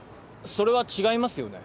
それは違いますよね？